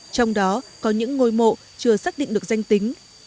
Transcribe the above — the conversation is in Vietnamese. trong đó có những ngôi mộ chưa xác định được danh tính